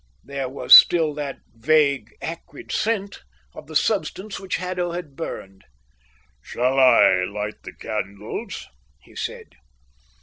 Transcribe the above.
There was still that vague, acrid scent of the substance which Haddo had burned. "Shall I light the candles?" he said.